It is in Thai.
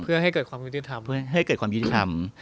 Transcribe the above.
เพื่อให้เกิดความยุติธรรม